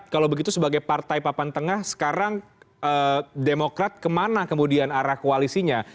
kalau begitu sebagai partai papan tengah sekarang demokrat kemana kemudian arah koalisinya